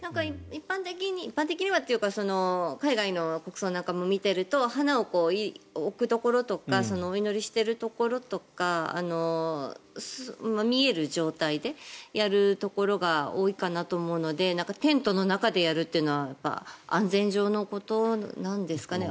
一般的にはというか海外の国葬なんかを見ていると花を置くところとかお祈りしているところとか見える状態でやるところが多いかなと思うのでテントの中でやるというのは安全上のことなんですかね。